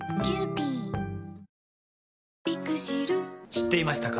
知っていましたか？